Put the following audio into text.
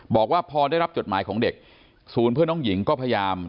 บอกว่าพอได้รับจดหมายของเด็กศูนย์เพื่อนน้องหญิงก็พยายาม